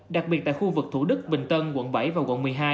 đặc biệt tại khu vực thủ đức bình tân quận bảy và quận một mươi hai